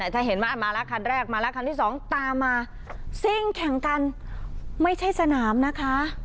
ถ้าเห็นว่ามาแล้วคันแรกมาแล้วคันที่สองตามมาซิ่งแข่งกันไม่ใช่สนามนะคะ